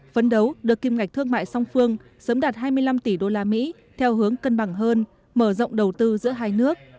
phấn đấu đưa kim ngạch thương mại song phương sớm đạt hai mươi năm tỷ usd theo hướng cân bằng hơn mở rộng đầu tư giữa hai nước